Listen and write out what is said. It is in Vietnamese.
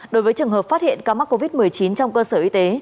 đối với trường hợp phát hiện ca mắc covid một mươi chín trong cơ sở y tế